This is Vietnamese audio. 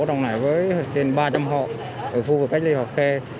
đồng lại với trên ba trăm linh họ ở khu vực cách ly học khê